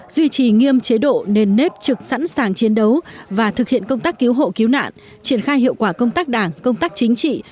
duy trì nghiêm chế độ nền nếp trực sẵn sàng chiến đấu và thực hiện công tác cứu hộ cứu nạn triển khai hiệu quả công tác đảng công tác chính trị